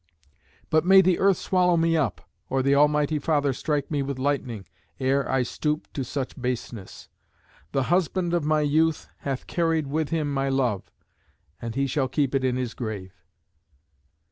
But may the earth swallow me up, or the almighty Father strike me with lightning, ere I stoop to such baseness. The husband of my youth hath carried with him my love, and he shall keep it in his grave."